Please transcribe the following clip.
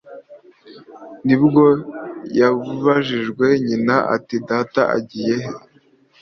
Nibwo yabajije nyina ati:”data agiye he?”